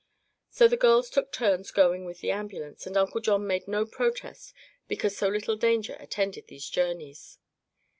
So the girls took turns going with the ambulance, and Uncle John made no protest because so little danger attended these journeys.